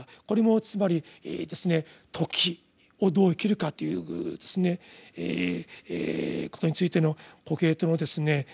これもつまり「時」をどう生きるかということについてのコヘレトのですね